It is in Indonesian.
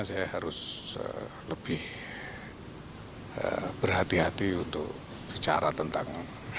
saya harus lebih berhati hati untuk bicara tentang